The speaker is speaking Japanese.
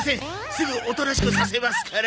すぐおとなしくさせますから。